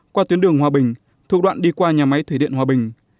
qua tuyến đường hòa bình thuộc đoạn đi qua nhà máy thủy điện hòa bình